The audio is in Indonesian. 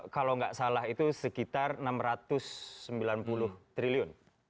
kalau nggak salah itu sekitar rp enam ratus sembilan puluh triliun